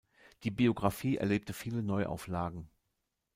Die Biographie erlebte viele Neuauflagen.